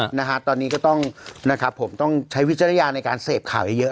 นะฮะตอนนี้ก็ต้องนะครับผมต้องใช้วิจารณญาณในการเสพข่าวเยอะเยอะ